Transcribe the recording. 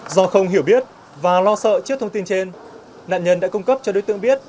do không hiểu biết và lo sợ trước thông tin trên nạn nhân đã cung cấp cho đối tượng biết